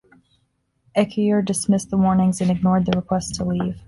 Ecuyer dismissed the warnings and ignored the requests to leave.